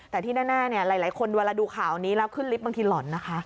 แต่ที่แน่หลายคนเวลาดูข่าวนี้แล้วขึ้นลิฟต์บางทีหล่อนนะคะ